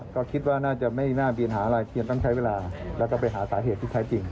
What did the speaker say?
ก็คิดว่าน่าจะไม่น่าบินหาอะไรเพียงต้องใช้เวลาแล้วก็ไปหาสาเหตุที่แท้จริง